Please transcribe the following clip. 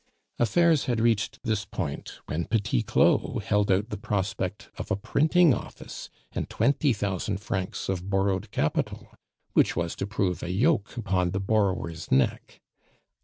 Affairs had reached this point when Petit Claud held out the prospect of a printing office and twenty thousand francs of borrowed capital, which was to prove a yoke upon the borrower's neck.